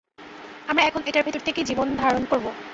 আমরা এখন এটার ভেতরে থেকেই জীবনধারণ করবো।